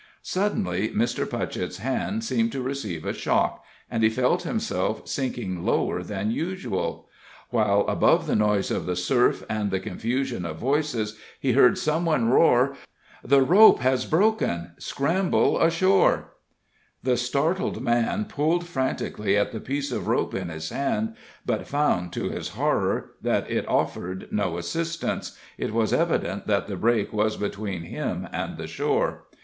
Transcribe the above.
Suddenly Mr. Putchett's hand seemed to receive a shock, and he felt himself sinking lower than usual, while above the noise of the surf and the confusion of voices he heard some one roar: "The rope has broken scramble ashore!" [Illustration: HE THREW UP HIS HAND AS A SIGNAL THAT THE LINE SHOULD BE DRAWN IN.] The startled man pulled frantically at the piece of rope in his hand, but found to his horror that it offered no assistance; it was evident that the break was between him and the shore.